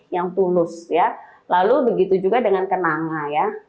yang tulus ya lalu begitu juga dengan kenanga ya